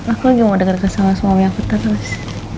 aku lagi mau deket deket sama suami aku terus